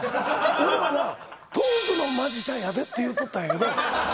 俺はな、トークのマジシャンやでって言うとったんやけど。